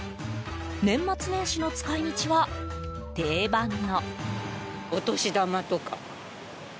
年末年始の使い道は定番の。